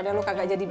kan cuma ditanya